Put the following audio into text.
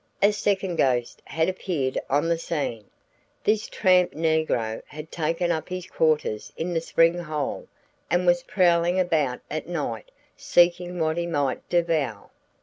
A second ghost had appeared on the scene. This tramp negro had taken up his quarters in the spring hole and was prowling about at night seeking what he might devour.